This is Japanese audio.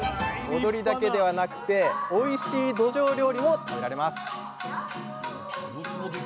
踊りだけではなくておいしいどじょう料理も食べられます